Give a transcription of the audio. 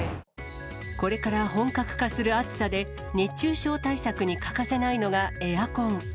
これから本格化する暑さで、熱中症対策に欠かせないのがエアコン。